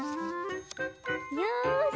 よし！